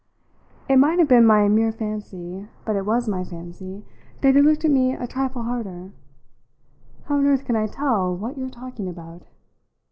It might have been my mere fancy but it was my fancy that he looked at me a trifle harder. "How on earth can I tell what you're talking about?"